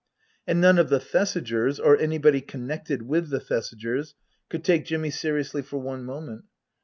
And none of the Thesigers, or anybody connected with the Thesigers, could take Jimmy seriously for one moment.